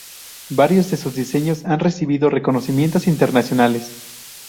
Varios de sus diseños han recibido reconocimientos internacionales.